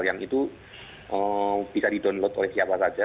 yang itu bisa di download oleh siapa saja